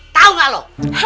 tau gak lo